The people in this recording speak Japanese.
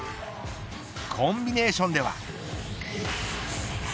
コンビネーションでは。